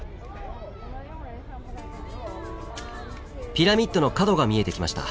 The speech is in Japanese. ピラミッドの角が見えてきました。